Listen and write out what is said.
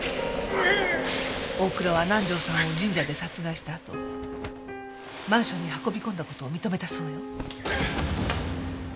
大倉は南条さんを神社で殺害したあとマンションに運び込んだ事を認めたそうよ。